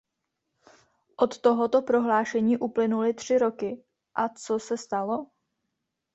Od tohoto prohlášení uplynuly tři roky a co se stalo?